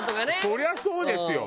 そりゃそうですよ。